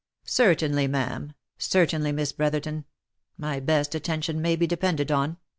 " Certainly, ma'am — certainly, Miss Brotherton, my best attention may be depended on.